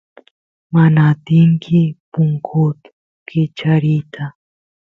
mana atinki punkut kichariyta